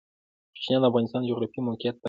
کوچیان د افغانستان د جغرافیایي موقیعت پایله ده.